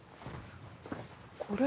これ。